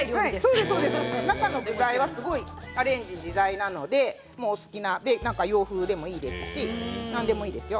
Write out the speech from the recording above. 中の具材はアレンジ自在なので洋風でもいいですし何でもいいですよ。